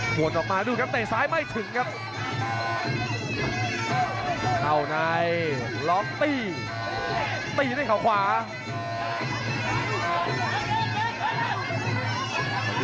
หวนออกมาดูครับแต่ซ้ายไม่ถึงครับ